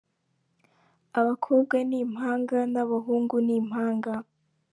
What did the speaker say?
Abakobwa ni impanga n'abahungu ni impanga,.